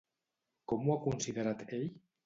Com ho ha considerat ell?